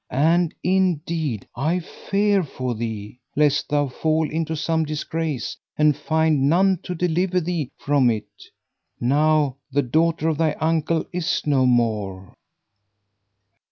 And indeed I fear for thee, lest thou fall into some disgrace and find none to deliver thee from it, now that the daughter of thy uncle is no more."